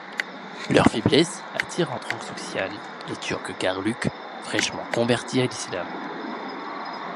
Leur faiblesse attire en Transoxiane les Turcs Qarluq, fraîchement convertis à l'islam.